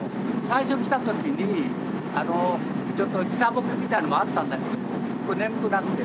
最初来た時にちょっと時差ぼけみたいのもあったんだけれども眠くなって。